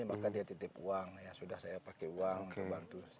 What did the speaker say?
maka dia titip uang ya sudah saya pakai uang untuk bantu saya